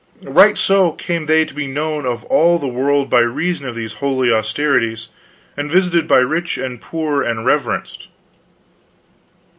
Right so came they to be known of all the world by reason of these holy austerities, and visited by rich and poor, and reverenced."